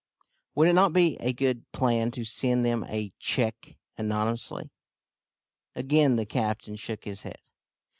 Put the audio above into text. "Would it not be a good plan to send them a cheque anonymously?" Again the captain shook his head.